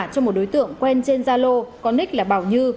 cho một đối tượng quen trên gia lô có ních là bảo như